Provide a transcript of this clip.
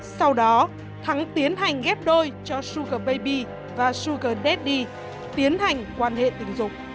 sau đó thắng tiến hành ghép đôi cho sugar baby và sugar daddy tiến hành quan hệ tình dục